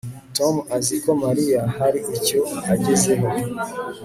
Tom azi ko Mariya hari icyo agezeho